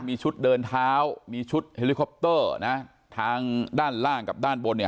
มีชุดเดินเท้ามีชุดเฮลิคอปเตอร์นะทางด้านล่างกับด้านบนเนี่ย